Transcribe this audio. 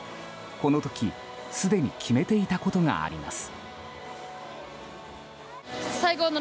この時、すでに決めていたことがあります。